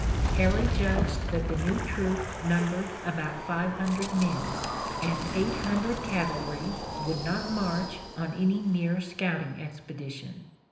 Harry judged that the new troop numbered about five hundred men, and eight hundred cavalry would not march on any mere scouting expedition.